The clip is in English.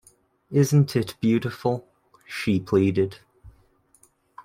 “Isn’t it beautiful?” she pleaded.